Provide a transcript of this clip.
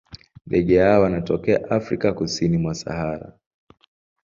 Ndege hawa wanatokea Afrika kusini mwa Sahara.